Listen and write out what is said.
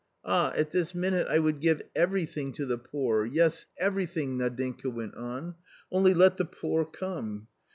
" Ah, at this minute I would give everything to the poor, yes, everything!" Nadinka went on, "only let the poor come.